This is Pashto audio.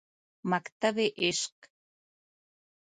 مکتبِ عشق